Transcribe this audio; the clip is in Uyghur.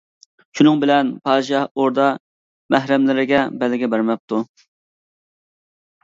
شۇنىڭ بىلەن پادىشاھ ئوردا مەھرەملىرىگە بەلگە بەرمەپتۇ.